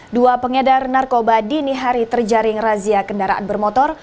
dua pengedar narkoba dini hari terjaring razia kendaraan bermotor